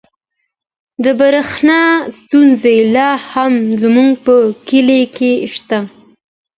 د برښنا ستونزه لا هم زموږ په کلي کې شته.